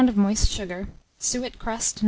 of moist sugar, suet crust No.